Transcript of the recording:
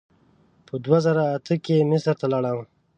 په دوه زره اته کې مصر ته لاړم.